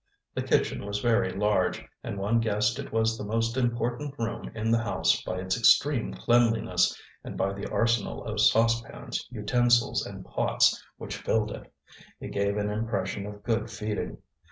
The kitchen was very large, and one guessed it was the most important room in the house by its extreme cleanliness and by the arsenal of saucepans, utensils, and pots which filled it. It gave an impression of good feeding.